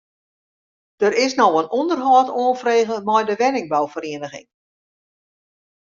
Der is no in ûnderhâld oanfrege mei de wenningbouferieniging.